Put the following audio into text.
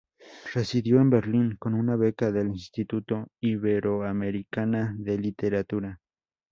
Residió en Berlín con una beca del Instituto Iberoamericana de Literatura.